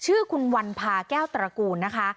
ชื่อคุณวันพาแก้วตระกูลนะคะ